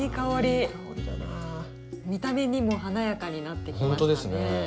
見た目にも華やかになってきましたね。